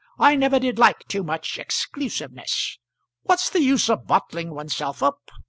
"I never did like too much exclusiveness. What's the use of bottling oneself up?